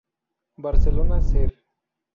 Barcelona Ser.